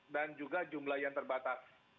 dan juga jumlah yang terbatas